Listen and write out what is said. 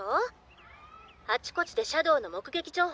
あちこちでシャドウの目撃情報が増えてるわ。